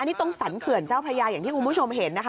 นี่ตรงสรรเขื่อนเจ้าพระยาอย่างที่คุณผู้ชมเห็นนะคะ